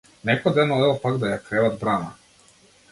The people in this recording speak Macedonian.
Некој ден одел пак да ја креват брана.